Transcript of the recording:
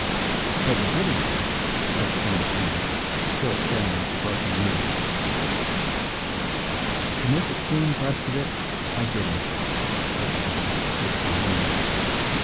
"But you didn't," said Colonel Pound, still staring at the broken window. "To make a clean breast of it, I didn't," said the other, with some humour.